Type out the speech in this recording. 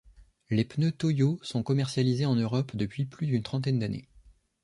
Les pneus Toyo sont commercialisés en Europe depuis plus d'une trentaine d'années.